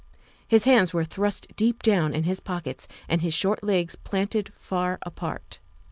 His hands were thrust deep down in his pockets and his short legs planted far apart.